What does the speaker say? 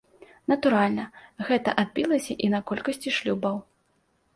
Натуральна, гэта адбілася і на колькасці шлюбаў.